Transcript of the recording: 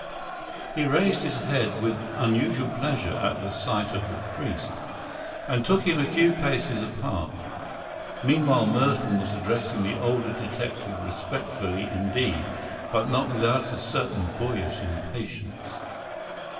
He raised his head with unusual pleasure at the sight of the priest, and took him a few paces apart. Meanwhile Merton was addressing the older detective respectfully indeed, but not without a certain boyish impatience.